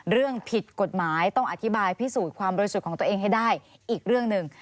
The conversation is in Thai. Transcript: เรื่องผิดกฎหมายต้องอธิบายพิสูจน์ความบริสุทธิ์ของตัวเองให้ได้อีกเรื่องหนึ่ง